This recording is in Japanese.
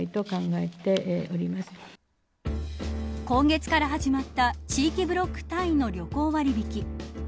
今月から始まった地域ブロック単位の旅行割引。